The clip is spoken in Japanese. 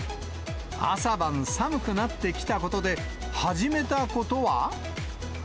朝晩寒くなってきたことで、始めたことは？